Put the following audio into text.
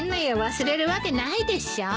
忘れるわけないでしょ。